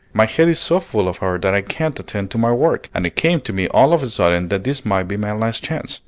"My head is so full of her that I can't attend to my work, and it came to me all of a sudden that this might be my last chance.